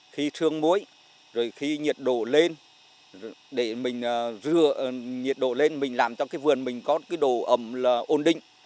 khi thương muối rồi khi nhiệt độ lên để mình rửa nhiệt độ lên mình làm cho cái vườn mình có cái độ ẩm là ổn định